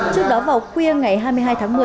trước đó vào khuya ngày hai mươi hai tháng một mươi